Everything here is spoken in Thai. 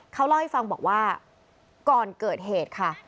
เขาเล่าให้ฟังบอกว่าก่อนเกิดเหตุค่ะ